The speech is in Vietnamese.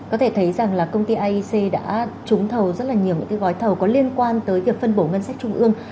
có thể thấy rằng là công ty iec đã trúng thầu rất là nhiều những cái gói thầu có liên quan tới việc phân bổ ngân sách trung ương